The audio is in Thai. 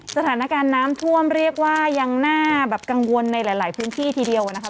สถานการณ์น้ำท่วมเรียกว่ายังน่าแบบกังวลในหลายพื้นที่ทีเดียวนะคะ